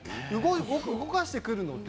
動かしてくるので。